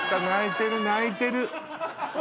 泣いてる泣いてる。